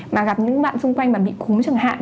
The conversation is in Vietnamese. mà gặp những bạn xung quanh mà bị cúm chẳng hạn